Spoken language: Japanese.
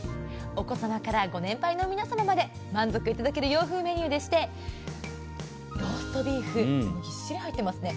お子さまからご年配の皆さまにまで満足いただける洋風メニューでしてローストビーフぎっしり入っていますね。